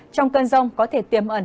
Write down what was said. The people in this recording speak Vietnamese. trong cơn rông có thể tiềm ẩn